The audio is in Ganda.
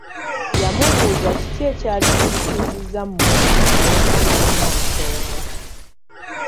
Yamubuuza kiki ekyali kimutuuzizza mu musana naye nga talina nsonga.